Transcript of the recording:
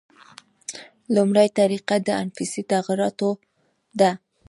لومړۍ طریقه د انفسي تغییراتو ده.